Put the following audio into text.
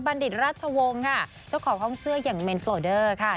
ดิตราชวงศ์ค่ะเจ้าของห้องเสื้ออย่างเมนโปรเดอร์ค่ะ